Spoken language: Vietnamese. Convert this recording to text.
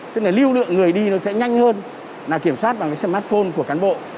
tức là lưu lượng người đi sẽ nhanh hơn khi kiểm soát bằng smartphone của cán bộ